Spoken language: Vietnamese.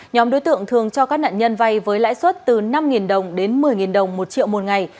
nhóm đối tượng thường cho các nạn nhân vay với lãi suất từ năm đồng đến một mươi đồng một triệu một ngày